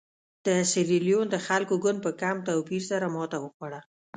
د سیریلیون د خلکو ګوند په کم توپیر سره ماته وخوړه.